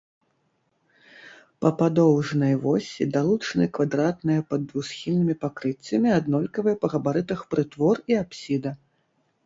Па падоўжнай восі далучаны квадратныя пад двухсхільнымі пакрыццямі аднолькавыя па габарытах прытвор і апсіда.